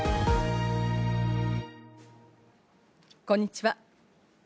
こんにちは。